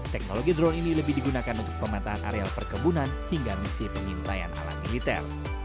teknologi drone ini lebih digunakan untuk pemataan areal perkebunan hingga misi penyintayan alam militer